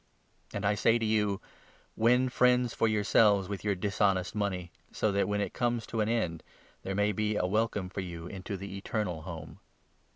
And I say to you ' Win friends for yourselves 9 with your dishonest money,' so that, when it comes to an end, there may be a welcome for you into the Eternal Home.